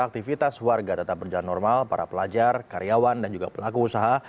aktivitas warga tetap berjalan normal para pelajar karyawan dan juga pelaku usaha